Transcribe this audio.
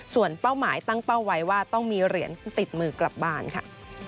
ส่วนเป้าหมายตั้งเป้าไว้ว่าต้องมีเหรียญติดมือกลับบ้านค่ะ